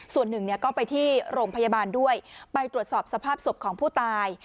ส่วนหนึ่งเนี่ยก็ไปที่โรงพยาบาลด้วยไปตรวจสอบสภาพศพของผู้ตาย